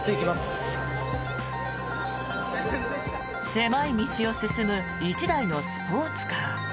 狭い道を進む１台のスポーツカー。